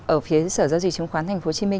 ở phía sở giao dịch trứng khoán tp hcm